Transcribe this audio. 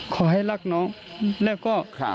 ขอให้รักน้องแล้วก็